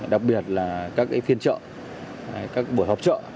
đặc biệt là các phiên chợ các buổi họp chợ